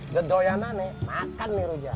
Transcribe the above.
geda yang mana kan makan nih raja